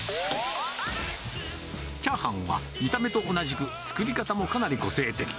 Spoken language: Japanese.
チャーハンは、見た目と同じく作り方もかなり個性的。